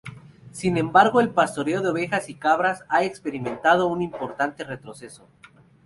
Sin embargo el pastoreo de ovejas y cabras ha experimentado un importante retroceso.